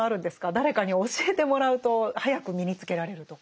誰かに教えてもらうと早く身につけられるとか。